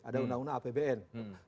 ada undang undang apbn